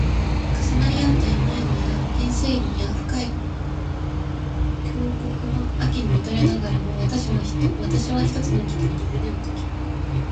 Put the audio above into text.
重なり合った山々や原生林や深い渓谷の秋に見とれながらも、わたしは一つの期待に胸をとき